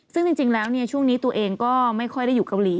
ซึ่งจริงแล้วช่วงนี้ตัวเองก็ไม่ค่อยได้อยู่เกาหลี